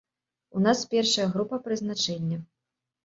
У нас першая група прызначэння.